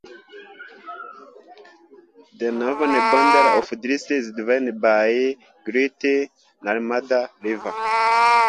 The northern boundary of the district is defined by the great Narmada river.